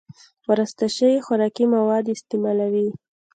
وراسته شوي خوراکي مواد استعمالوي